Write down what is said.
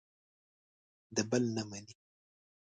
د بل نه مني.